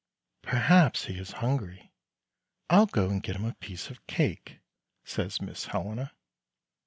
"Perhaps he is hungry. I'll go and get him a piece of cake," says Miss Helena.